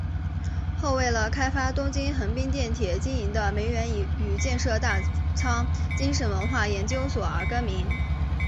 后为了开发东京横滨电铁经营的梅园与建设大仓精神文化研究所而更名。